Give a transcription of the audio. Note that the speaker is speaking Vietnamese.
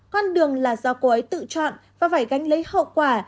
con đường là do cô ấy tự chọn và phải gánh lấy hậu quả